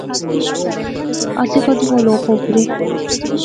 آنسیں کیدوں او لوک اوپرے